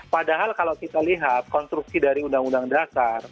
padahal kalau kita lihat konstruksi dari undang undang dasar